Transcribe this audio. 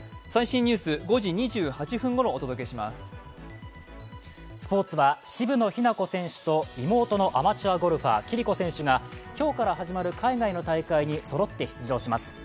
スポーツは渋野日向子選手と妹のアマチュアゴルファー暉璃子選手が今日から始まる海外の大会にそろって出場します。